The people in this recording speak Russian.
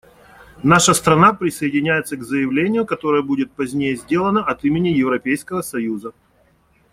Наша страна присоединяется к заявлению, которое будет позднее сделано от имени Европейского союза.